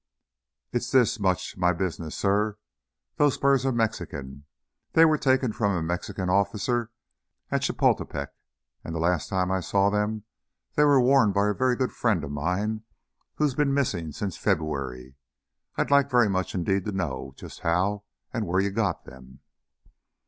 "It's this much my business, suh. Those spurs are Mexican. They were taken from a Mexican officer at Chapultepec, and the last time I saw them they were worn by a very good friend of mine who's been missing since February! I'd like very much indeed to know just how and where you got them."